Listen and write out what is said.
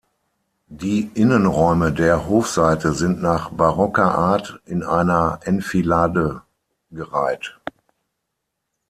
Die Innenräume der Hofseite sind nach barocker Art in einer Enfilade gereiht.